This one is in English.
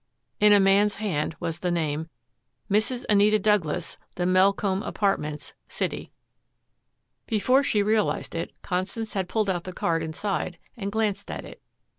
In a man's hand was the name, "Mrs. Anita Douglas, The Melcombe Apartments, City" Before she realized it, Constance had pulled out the card inside and glanced at it.